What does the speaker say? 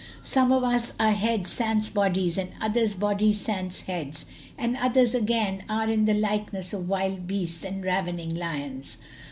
Some of us are heads sans bodies and others bodies sans heads, and others again are in the likeness of wild beasts and ravening lions.